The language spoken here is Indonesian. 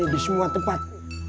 di semua tempat